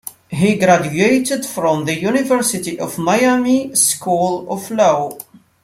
He graduated from the University of Miami School of Law.